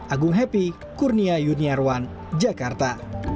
agung happy kurnia junior one jakarta